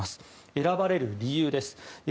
選ばれる理由です。